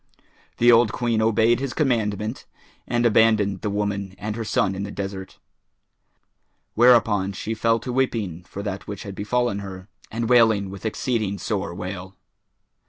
The old Queen obeyed his commandment and abandoned the woman and her son in the desert; whereupon she fell to weeping for that which had befallen her and wailing with exceeding sore wail.